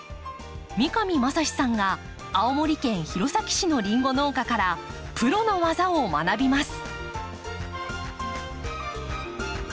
三上真史さんが青森県弘前市のリンゴ農家からプロの技を学びます。